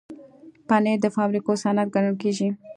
پنېر د فابریکو صنعت ګڼل کېږي.